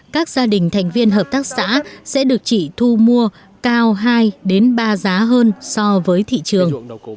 các gia đình thành viên hợp tác xã sẽ được chỉ thu mua cao hai ba giá hơn so với thị trường